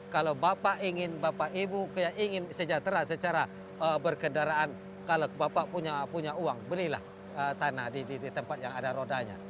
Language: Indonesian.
kalau bapak ingin bapak ibu ingin sejahtera secara berkendaraan kalau bapak punya uang belilah tanah di tempat yang ada rodanya